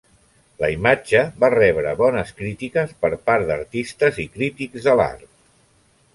La imatge va rebre bones crítiques per part d'artistes i crítics de l'art.